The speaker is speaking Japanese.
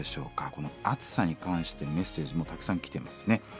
この暑さに関してメッセージもたくさん来てますね。